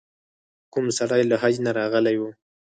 کوم سړی له حج نه راغلی و.